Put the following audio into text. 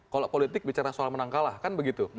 kalau politik bicara soal menang kalah kan begitu